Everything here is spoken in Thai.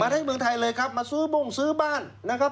ให้เมืองไทยเลยครับมาซื้อบุ้งซื้อบ้านนะครับ